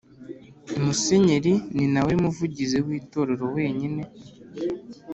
Musenyeri ni nawe muvugizi w’ Itorero wenyine